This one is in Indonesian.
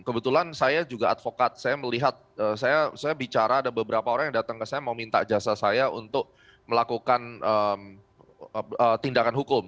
kebetulan saya juga advokat saya melihat saya bicara ada beberapa orang yang datang ke saya mau minta jasa saya untuk melakukan tindakan hukum